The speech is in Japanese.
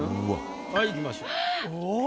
はいいきましょう。